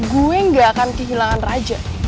gue gak akan kehilangan raja